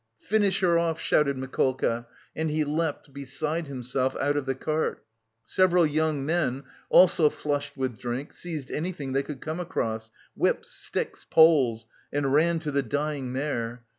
"Finish her off," shouted Mikolka and he leapt beside himself, out of the cart. Several young men, also flushed with drink, seized anything they could come across whips, sticks, poles, and ran to the dying mare.